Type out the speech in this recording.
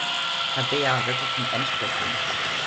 Tabea setzte zum Endspurt an.